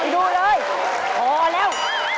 ดูเลยพอแล้ว